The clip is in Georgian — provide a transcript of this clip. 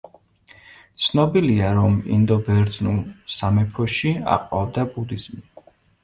ცნობილია, რომ ინდო–ბერძნულ სამეფოში აყვავდა ბუდიზმი.